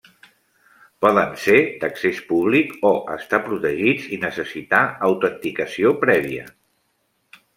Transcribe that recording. Poden ser d'accés públic, o estar protegits i necessitar autenticació prèvia.